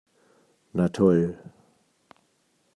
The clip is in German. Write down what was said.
Na toll!